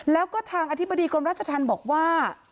แล้วก็ทางอธิบดีกรมราชธรรมบอกว่า